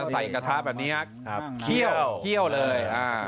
ใส่กระทะแบบนี้ครับเคี่ยวเลย